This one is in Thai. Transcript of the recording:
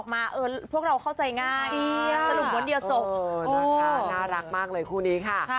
ถ้าไม่เข้าใจถามได้ค่ะเดี๋ยวตอบให้